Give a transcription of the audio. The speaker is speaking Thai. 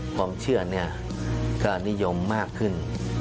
ความเชื่อเนี่ยก็นิยมมากขึ้น